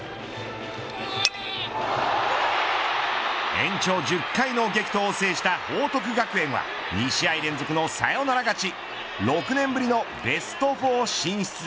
延長１０回の激闘を制した報徳学園は２試合連続のサヨナラ勝ち。